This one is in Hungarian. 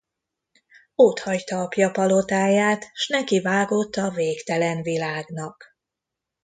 Otthagyta apja palotáját, s nekivágott a végtelen világnak.